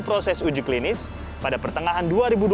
proses uji klinis pada pertengahan dua ribu dua puluh